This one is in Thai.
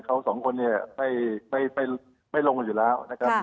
เขาสองคนเนี่ยไม่ลงกันอยู่แล้วนะครับ